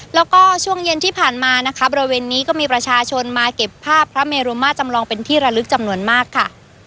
แล้วก็ช่วงเย็นที่ผ่านมานะคะบริเวณนี้ก็มีประชาชนมาเก็บภาพพระเมรุมาจำลองเป็นที่ระลึกจำนวนมากค่ะ